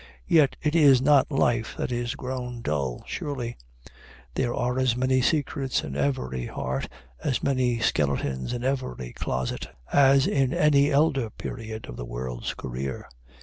Yet it is not life that is grown dull, surely; there are as many secrets in every heart, as many skeletons in every closet, as in any elder period of the world's career.